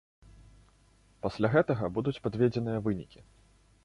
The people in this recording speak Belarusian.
Пасля гэтага будуць падведзеныя вынікі.